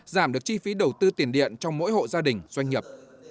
giảm được chi phí đầu tư tiền điện trong mỗi hộ gia đình doanh nghiệp